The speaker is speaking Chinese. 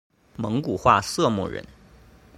蒙古化色目人。